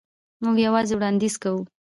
موږ یوازې وړاندیز کوو.